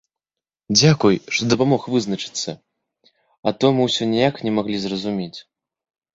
Дзякуй, што дапамог вызначыцца, а то мы ўсё ніяк не маглі зразумець.